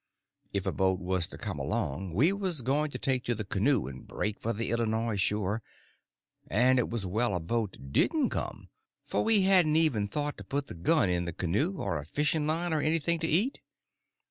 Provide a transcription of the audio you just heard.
If a boat was to come along we was going to take to the canoe and break for the Illinois shore; and it was well a boat didn't come, for we hadn't ever thought to put the gun in the canoe, or a fishing line, or anything to eat.